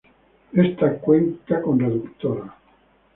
Esta cuenta con reductora.